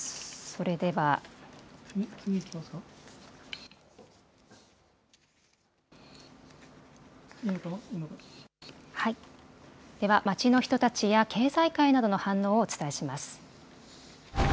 それでは、では街の人たちや経済界などの反応をお伝えします。